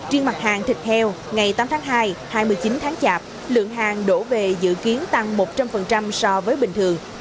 riêng mặt hàng thịt heo ngày tám tháng hai hai mươi chín tháng chạp lượng hàng đổ về dự kiến tăng một trăm linh so với bình thường